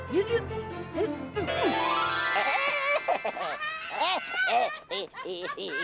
hah ini ini